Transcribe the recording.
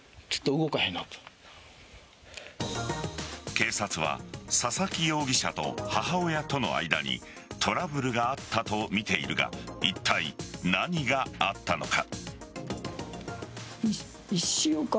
警察は佐々木容疑者と母親との間にトラブルがあったとみているがいったい何があったのか。